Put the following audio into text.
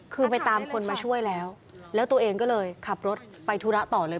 คือไปตามคนมาช่วยแล้วแล้วตัวเองก็เลยขับรถไปธุระต่อเลย